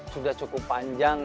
sudah cukup panjang